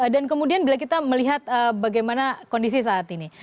dan kemudian bila kita melihat bagaimana kondisi saat ini